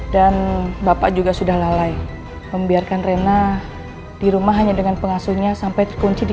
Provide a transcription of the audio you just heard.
dan bapak juga sudah lalai membiarkan rena di rumah hanya dengan pengasuhnya sampai terkunci di